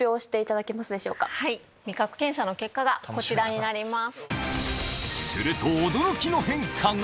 味覚検査の結果がこちらになります。